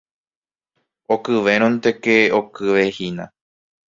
Okyvérõnteke okyvehína.